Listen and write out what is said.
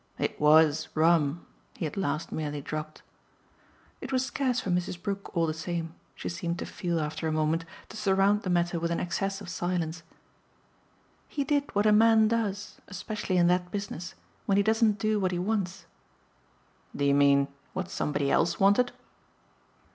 "It WAS 'rum'!" he at last merely dropped. It was scarce for Mrs. Brook, all the same she seemed to feel after a moment to surround the matter with an excess of silence. "He did what a man does especially in that business when he doesn't do what he wants." "Do you mean what somebody else wanted?"